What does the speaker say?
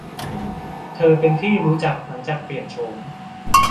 เธอเป็นที่รู้จักหลังจากเปลี่ยนโฉม